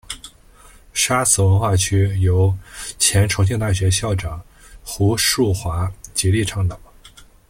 沙磁文化区由前重庆大学校长胡庶华极力倡导。